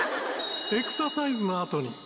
エクササイズのあとに。